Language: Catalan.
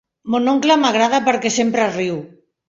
Mon oncle m'agrada perquè sempre riu.